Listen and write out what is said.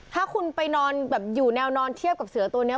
ถ้าคุณไปนอนแบบอยู่แนวนอนเทียบกับเสือตัวนี้